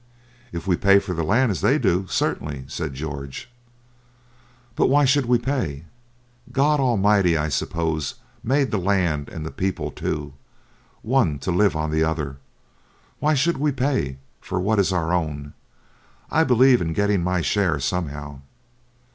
'If we pay for the land as they do, certainly,' said George. 'But why should we pay? God Almighty, I suppose, made the land and the people too, one to live on the other. Why should we pay for what is our own? I believe in getting my share somehow.'